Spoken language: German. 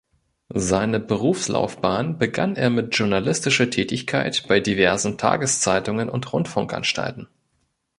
Seine Berufslaufbahn begann er mit journalistischer Tätigkeit bei diversen Tageszeitungen und Rundfunkanstalten.